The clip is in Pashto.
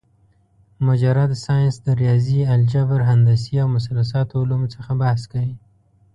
مجرد ساينس د رياضي ، الجبر ، هندسې او مثلثاتو علومو څخه بحث کوي